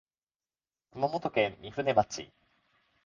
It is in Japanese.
熊本県御船町